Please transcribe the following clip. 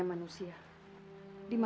kita taruh rustil